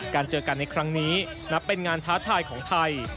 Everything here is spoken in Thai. เจอกันในครั้งนี้นับเป็นงานท้าทายของไทย